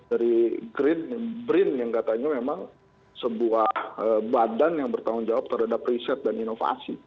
dari brin yang katanya memang sebuah badan yang bertanggung jawab terhadap riset dan inovasi